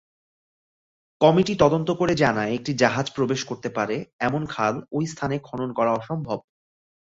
Committee তদন্ত করে জানায় একটি জাহাজ প্রবেশ করতে পারে এমন খাল ওই স্থানে খনন করা অসম্ভব।